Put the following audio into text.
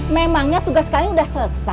memangnya tugas kami sudah selesai